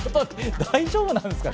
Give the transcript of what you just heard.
大丈夫なんですかね？